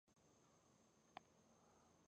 هولمز د مړ شوي سړي پوښتنه وکړه.